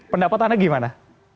pendapat anda gimana